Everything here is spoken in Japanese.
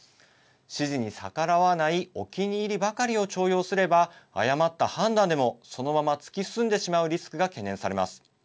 指示に逆らわないお気に入りばかりを重用すれば誤った判断でも、そのまま突き進んでしまうリスクが懸念されます。